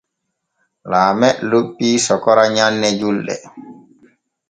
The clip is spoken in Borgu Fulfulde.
Laame loppii sokora nyanne julɗe.